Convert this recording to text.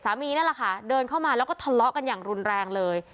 นี่แหละค่ะเดินเข้ามาแล้วก็ทะเลาะกันอย่างรุนแรงเลย